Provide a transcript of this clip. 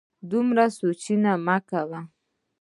دومره سوچونه مه کوه